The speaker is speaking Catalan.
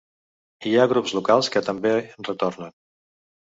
Hi ha grups locals que també retornen.